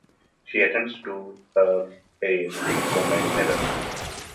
She attends to her hair with comb and mirror.